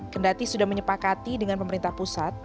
kendati sudah menyepakati dengan pemerintah pusat